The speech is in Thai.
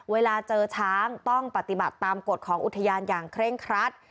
เวลาเจอช้างต้องปฏิบัติตามกฎของอุทยานอย่างเคร่งครัด